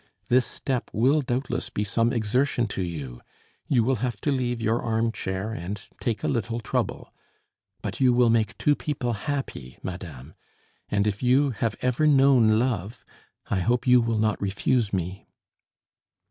This step will doubtless be some exertion to you; you will have to leave your arm chair and take a little trouble; but you will make two people happy, madame, and if you have ever known love, I hope you will not refuse me."